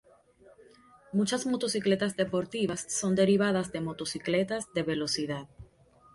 Muchas motocicletas deportivas son derivadas de motocicletas de velocidad.